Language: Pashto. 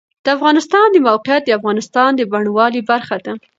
د افغانستان د موقعیت د افغانستان د بڼوالۍ برخه ده.